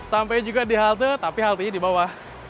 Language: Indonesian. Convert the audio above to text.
sampai juga di halte tapi haltenya di bawah